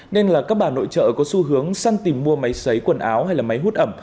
nên là các bà nội trợ có xu hướng săn tìm mua máy xấy quần áo hay là máy hút ẩm